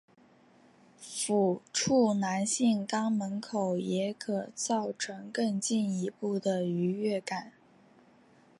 抚触男性肛门口也可造成更进一步的愉悦感。